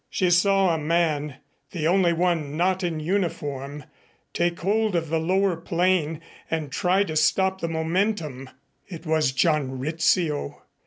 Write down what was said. She saw a man, the only one not in uniform, take hold of the lower plane and try to stop the momentum. It was John Rizzio.